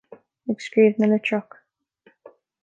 Ag scríobh na litreach.